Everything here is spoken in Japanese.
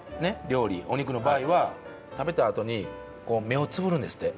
料理お肉の場合は食べたあとにこう目をつむるんですって。